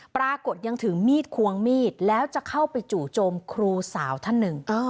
ปรากฏยังถือมีดควงมีดแล้วจะเข้าไปจู่โจมครูสาวท่านหนึ่ง